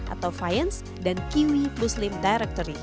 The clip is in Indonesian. atau faiens dan kiwi muslim direct